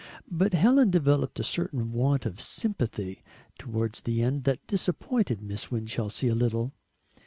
But Helen developed a certain want of sympathy towards the end, that disappointed Miss Winchelsea a little.